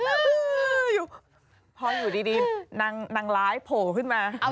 พออยู่ดีนางร้ายโผล่ขึ้นมา